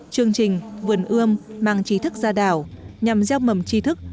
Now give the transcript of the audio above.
chương trình vườn ươm mang trí thức ra đảo nhằm gieo mầm chi thức